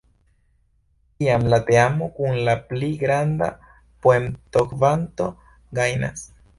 Tiam la teamo kun la pli granda poentokvanto gajnas.